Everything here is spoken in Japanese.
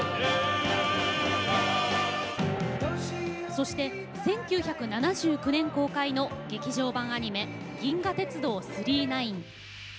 そして１９７９年公開の劇場版アニメ「銀河鉄道９９９」。